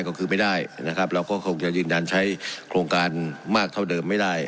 ก็คือไม่ได้นะครับเราก็คงจะยืนยันใช้โครงการมากเท่าเดิมไม่ได้